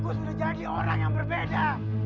gue sudah jadi orang yang berbeda